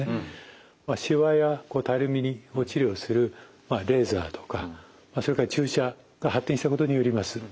しわやたるみを治療するレーザーとかそれから注射が発展したことによります。